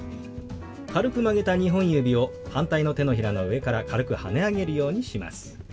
軽く曲げた２本指を反対の手のひらの上から軽くはね上げるようにします。